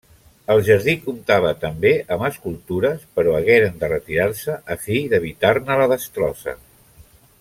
El jardí comptava també amb escultures, però hagueren de retirar-se a fi d'evitar-ne la destrossa.